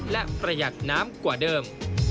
และประหยัดน้ำกว่าเดิม